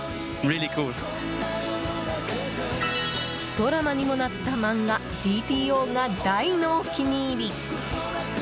ドラマにもなった漫画「ＧＴＯ」が大のお気に入り。